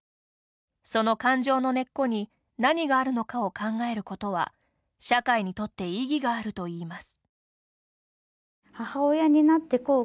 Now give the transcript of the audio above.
その感情の根っこに何があるのかを考えることは社会にとって意義があるといいます。